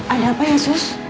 ada apa ya sus